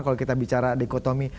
kalau kita bicara di kotomi